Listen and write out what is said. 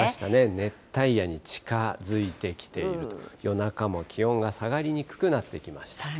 熱帯夜に近づいてきている、夜中も気温が下がりにくくなってきました。